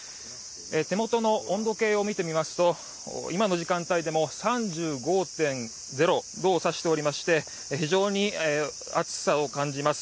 手元の気温計を見て見ますと今の時間帯でも３５．０度を指しておりまして、非常に暑さを感じます。